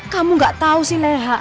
kamu gak tahu sih leha